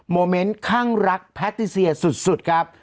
โมเมนต์ข้างรักแพทติเซียสุดครับ